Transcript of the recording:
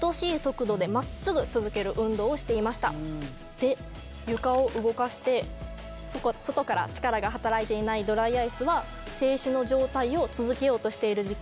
で床を動かして外から力が働いていないドライアイスは静止の状態を続けようとしている実験も行いました。